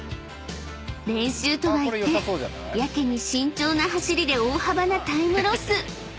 ［練習とは一転やけに慎重な走りで大幅なタイムロス］